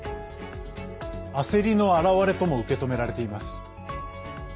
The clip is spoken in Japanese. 焦りの表れとも受け止められています。